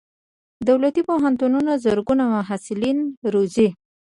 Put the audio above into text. دولتي پوهنتونونه زرګونه محصلین روزي.